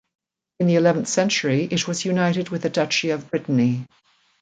In the eleventh century, it was united with the Duchy of Brittany.